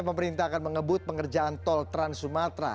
pemerintah akan mengebut pengerjaan tol trans sumatra